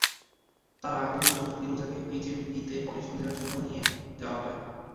তাঁর আগ্রহেই ছোট্ট ফিরোজাকে এইচএমভিতে অডিশন দেওয়ার জন্য নিয়ে যাওয়া হয়।